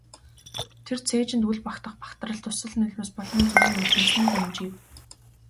Тэр цээжинд үл багтах багтрал дусал нулимс болон зүүн нүднээс нь бөнжийв.